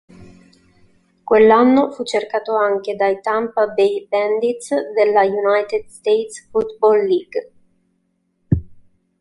Quell'anno fu cercato anche dai Tampa Bay Bandits della United States Football League.